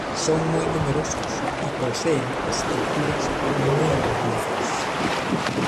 Son muy numerosos y poseen estructuras muy variadas.